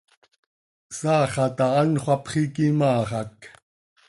Saa xaha taa anxö hapx iiquim áa xac.